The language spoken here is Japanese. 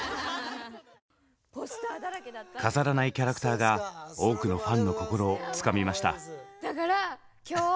飾らないキャラクターが多くのファンの心をつかみました。